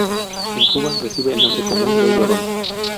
En Cuba recibe el nombre común de llorona.